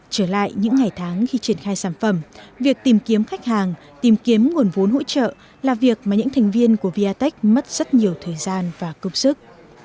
trở lại những ngày tháng khi triển khai sản phẩm việc tìm kiếm khách hàng tìm kiếm nguồn vốn hỗ trợ là việc mà những thành viên của viettech mất rất nhiều thời gian và công sức